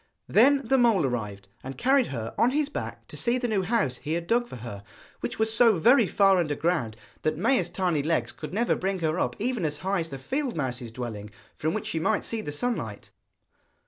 Then the mole arrived, and carried her on his back to see the new house he had dug for her, which was so very far under ground that Maia's tiny legs could never bring her up even as high as the field mouse's dwelling, from which she might see the sunlight.